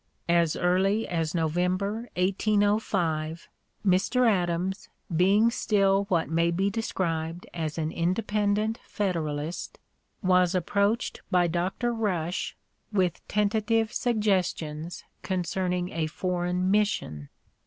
As early as November, 1805, Mr. Adams, being still what may be described as an independent Federalist, was approached by Dr. Rush with tentative suggestions concerning a foreign mission.